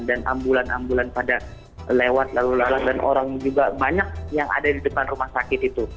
dan ambulan ambulan pada lewat lalu lalang dan orang juga banyak yang ada di depan rumah sakit itu